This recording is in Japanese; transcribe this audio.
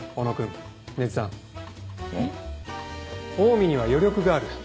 オウミには余力がある。